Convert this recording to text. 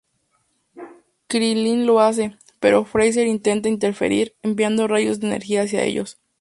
Krilin lo hace, pero Freezer intenta interferir, enviando rayos de energía hacia ellos.